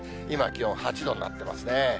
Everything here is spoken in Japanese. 今、気温８度となってますね。